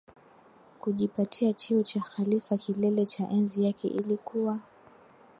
kujipatia cheo cha khalifa Kilele cha enzi yake ilikuwa